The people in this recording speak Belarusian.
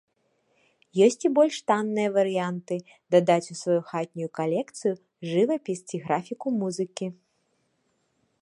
Ёсць і больш танныя варыянты дадаць у сваю хатнюю калекцыю жывапіс ці графіку музыкі.